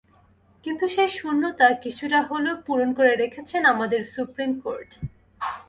কিন্তু সেই শূন্যতা কিছুটা হলেও পূরণ করে রেখেছেন আমাদের সুপ্রিম কোর্ট।